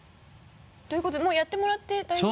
ということでもうやってもらって大丈夫？